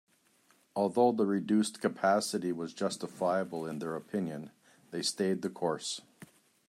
Although the reduced capacity was justifiable in their opinion, they stayed the course.